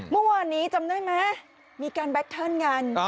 เมื่อวานนี้จำได้ไหมมีการแบคเทิร์นกัน